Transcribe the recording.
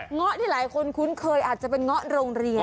เงาะที่หลายคนคุ้นเคยอาจจะเป็นเงาะโรงเรียน